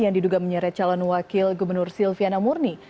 yang diduga menyeret calon wakil gubernur silviana murni